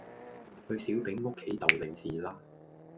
去小丙屋企逗利是啦